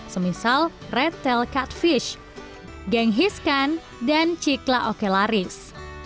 semisal red tail catfish genghiskan dan cikla okelaris